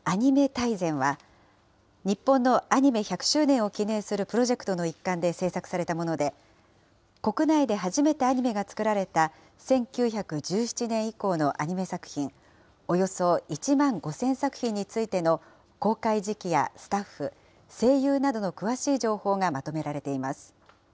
大全は、日本のアニメ１００周年を記念するプロジェクトの一環で制作されたもので、国内で初めてアニメが作られた１９１７年以降のアニメ作品、およそ１万５０００作品についての公開時期やスタッフ、声優などの詳しい情報がまとめられています。